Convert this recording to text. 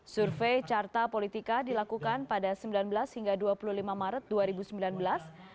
survei carta politika dilakukan pada sembilan belas hingga dua puluh lima maret dua ribu sembilan belas